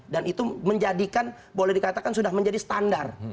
dan itu menjadikan boleh dikatakan sudah menjadi standar